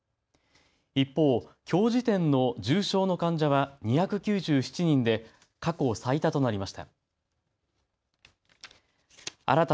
一方、きょう時点の重症の患者は２９７人で過去最多となりました。